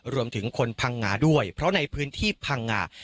รวมถึงคนพังงาด้วยเพราะในพื้นที่พังงา